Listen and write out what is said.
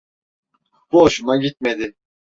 Bu hoşuma gitmedi.